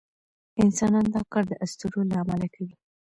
انسانان دا کار د اسطورو له امله کوي.